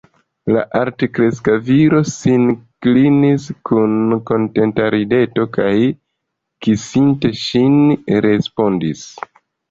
La altkreska viro sin klinis kun kontenta rideto kaj, kisinte ŝin, respondis: